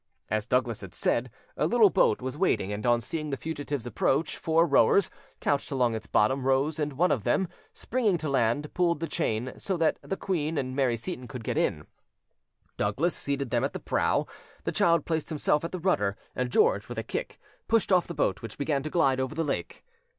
'As Douglas had said, a little boat was waiting; and, on seeing the fugitives approach, four rowers, couched along its bottom, rose, and one of them, springing to land, pulled the chain, so that the queen and Mary Seyton could get in. Douglas seated them at the prow, the child placed himself at the rudder, and George, with a kick, pushed off the boat, which began to glide over the lake.